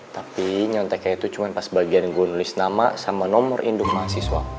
tapi nyonteknya itu cuma pas bagian gue nulis nama sama nomor induk mahasiswa